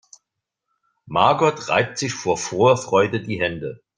Margot reibt sich vor Vorfreude die Hände.